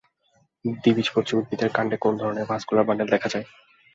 দ্বিবীজপত্রী উদ্ভিদের কাণ্ডে কোন ধরনের ভাস্কুলার বান্ডল দেখা যায়?